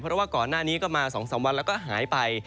เพราะว่าก่อนหน้านี้ก็มา๒๓วันแล้วก็หายไป